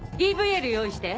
ＥＶＬ用意して。